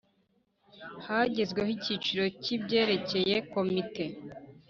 Hagezweho Icyiciro cy’ibyerekeye Komite